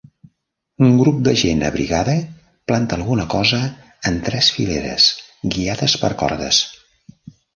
Un grup de gent abrigada planta alguna cosa en tres fileres, guiades per cordes.